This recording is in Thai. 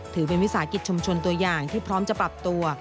ถือเป็นวิสาหกิจชุมชนตัวอย่างที่พร้อมจะปรับตัว